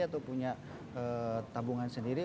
atau punya tabungan sendiri